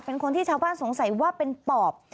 เป็นคนที่ชาวบ้านสงสัยว่าเป็นปอบ